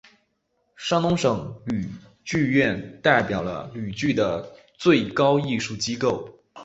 山东省吕剧院代表了吕剧的最高艺术机构。